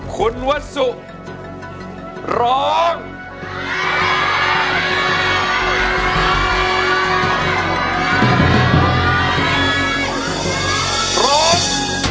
คุณวัศว์ครับ